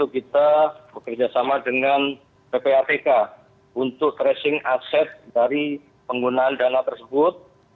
kita bekerjasama dengan ppatk untuk tracing aset dari penggunaan dana tersebut